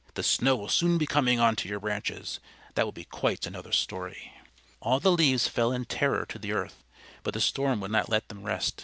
The snow will soon be coming on to your branches; that will be quite another story." All the leaves fell in terror to the earth, but the Storm would not let them rest.